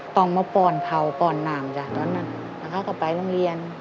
ต้องมาป้อนเขาป้อนน้ำจ้ะตอนนั้นแล้วเขาก็ไปโรงเรียน